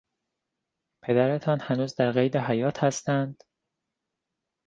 پدرتان هنوز در قید حیات هستند؟